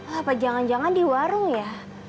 apa jangan jangan di warung ya